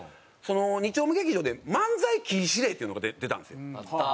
２丁目劇場で漫才禁止令っていうのが出たんですよ。